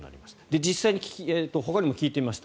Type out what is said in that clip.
実際にほかにも聞いてみました。